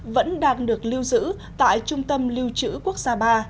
vẫn đang được lưu giữ tại trung tâm lưu trữ quốc gia ba